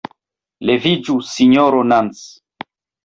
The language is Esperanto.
Leviĝu, Sinjoro Nans!